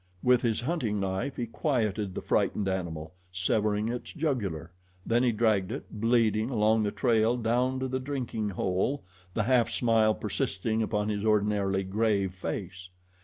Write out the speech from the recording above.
With his hunting knife he quieted the frightened animal, severing its jugular; then he dragged it, bleeding, along the trail down to the drinking hole, the half smile persisting upon his ordinarily grave face.